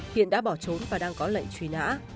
hiện đã bỏ trốn và đang có lệnh truy nã